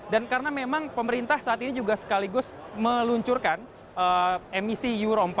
dan karena memang pemerintah saat ini juga sekaligus meluncurkan emisi euro empat